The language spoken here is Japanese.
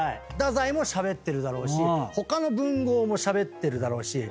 太宰もしゃべってるだろうし他の文豪もしゃべってるだろうし。